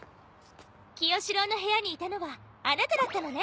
清司郎の部屋にいたのはあなただったのね。